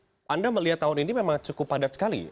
tapi anda melihat tahun ini memang cukup padat sekali